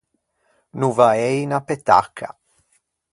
No vaei unna petacca.